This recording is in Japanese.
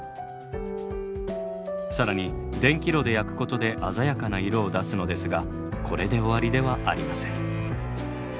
更に電気炉で焼くことで鮮やかな色を出すのですがこれで終わりではありません。